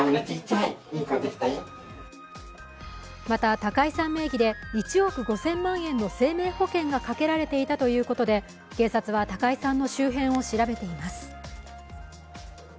また高井さん名義で１億５０００万円の生命保険がかけられていたということで、警察は高井さんの周辺を調べています。